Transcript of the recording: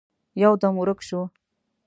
يودم ورک شو.